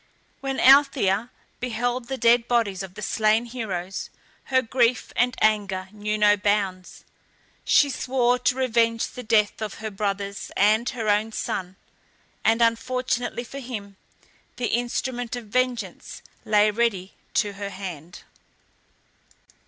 When Althea beheld the dead bodies of the slain heroes, her grief and anger knew no bounds. She swore to revenge the death of her brothers on her own son, and unfortunately for him, the instrument of vengeance lay ready to her hand.